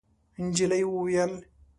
نجلۍ وویل: